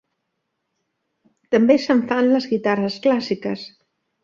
També se'n fan les guitarres clàssiques.